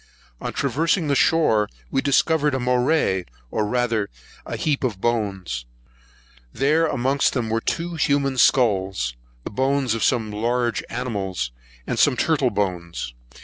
On traversing the shore, we discovered a morai, or rather a heap of bones. There were amongst them two human skulls, the bones of some large animals, and some turtle bones.